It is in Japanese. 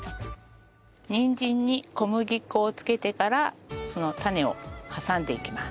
にんじんに小麦粉をつけてからそのタネを挟んでいきます。